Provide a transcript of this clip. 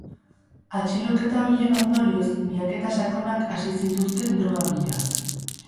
Atxiloketa horien ondorioz, miaketa sakonak hasi zituzten, droga bila.